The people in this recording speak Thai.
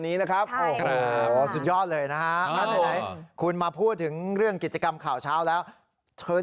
นี้นะครับโอ้โหสุดยอดเลยนะฮะไหนคุณมาพูดถึงเรื่องกิจกรรมข่าวเช้าแล้วเชิญ